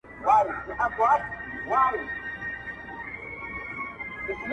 ستوري هم سترګک وهي په مینه مینه،